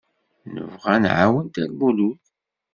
Nebɣa ad nɛawen Dda Lmulud.